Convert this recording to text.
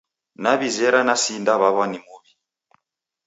New'izera nesindaw'aw'a ni muw'i.